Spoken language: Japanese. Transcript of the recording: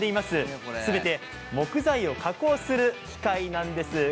すべて木材を加工する機械なんです。